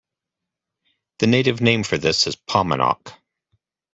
The native name for this is "Paumanok".